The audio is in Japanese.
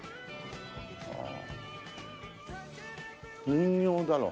人形だろ。